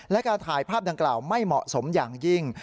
และการถ่ายภาพดังกล่าวไม่เหมาะสมอย่างยิ่ง